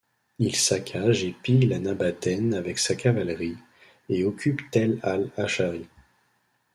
Il saccage et pille la Nabatène avec sa cavalerie, et occupe Tell al-Ashari.